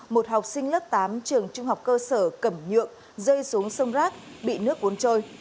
một học sinh lớp tám trường trung học cơ sở cẩm nhượng rơi xuống sông rác bị nước cuốn trôi